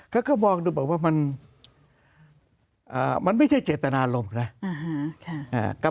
เขาก็มองดูบอกว่ามันอ่ามันไม่ใช่เจตนาลมนะอ่าค่ะอ่า